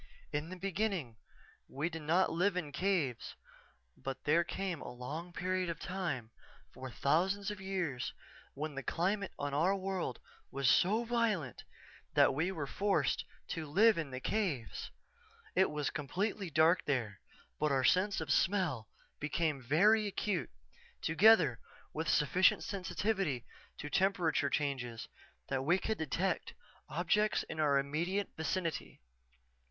In the beginning we did not live in caves but there came a long period of time, for thousands of years, when the climate on our world was so violent that we were forced to live in the caves. It was completely dark there but our sense of smell became very acute, together with sufficient sensitivity to temperature changes that we could detect objects in our immediate vicinity.